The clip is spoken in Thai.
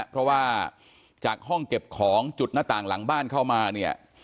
เพราะว่าจากห้องเก็บของจุดหน้าต่างหลังบ้านเข้ามาเนี่ย